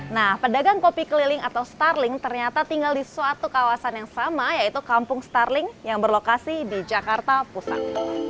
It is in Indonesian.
nah pedagang kopi keliling atau starling ternyata tinggal di suatu kawasan yang sama yaitu kampung starling yang berlokasi di jakarta pusat